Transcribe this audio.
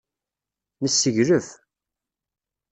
Nesseglef.